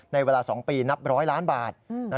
ในเวลา๒ปีนับ๑๐๐ล้านบาท